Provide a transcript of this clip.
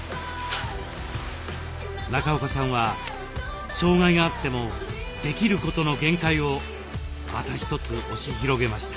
中岡さんは障害があってもできることの限界をまた一つ押し広げました。